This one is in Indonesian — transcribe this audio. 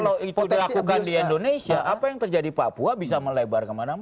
kalau itu dilakukan di indonesia apa yang terjadi di papua bisa melebar kemana mana